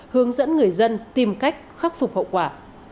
hướng dẫn người dân tìm cách khắc phục hậu quả